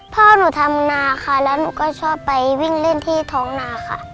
พ่อหนูทำนาค่ะแล้วหนูก็ชอบไปวิ่งเล่นที่ท้องนาค่ะ